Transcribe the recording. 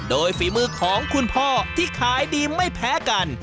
โดยฝีมือของคุณพ่อที่ขายดีไม่แพ้กัน